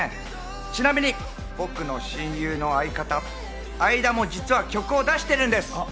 ちなみに僕の親友の相方・相田も実は曲を出してるんです。